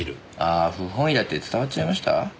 あ不本意だって伝わっちゃいました？